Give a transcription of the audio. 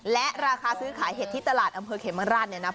และราคาซื้อขายเห็ดที่ตลาดอำเภอเขมราชเนี่ยนะ